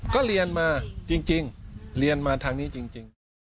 ก็เรียนมาจริงเรียนมาทางนี้จริง